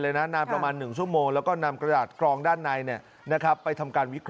เด็กที่เราได้รับรายงานก็ประมาณ